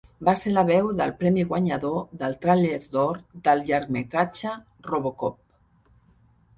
Va ser la veu del premi guanyador del tràiler d'or del llargmetratge RoboCop.